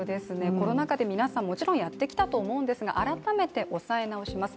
コロナ禍で皆さん、もちろんやってきたと思いますけれども改めて、押さえ直します。